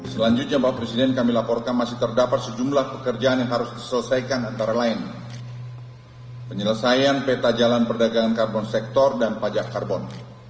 selanjutnya bapak presiden kami laporkan masih terdapat sejumlah pekerjaan yang harus diselesaikan antara lain penyelesaian peta jalan perdagangan karbon sektor dan pajak karbon